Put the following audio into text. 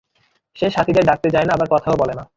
সে সাথিদের ডাকতে যায় না আবার কথাও বলে না।